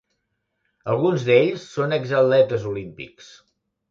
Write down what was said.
Alguns d'ells són exatletes olímpics.